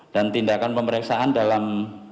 dan tindakan pemeriksaan dalam